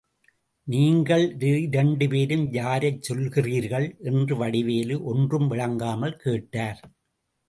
நீங்கள் இரண்டு பேரும் யாரைச் சொல்லுகிறீர்கள்? என்று வடிவேலு ஒன்றும் விளங்காமல் கேட்டார்.